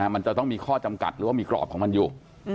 มันจะต้องมีข้อจำกัดหรือว่ามีกรอบของมันอยู่